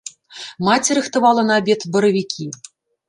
Маці рыхтавала на абед баравікі.